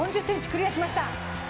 ５ｍ４０ｃｍクリアしました。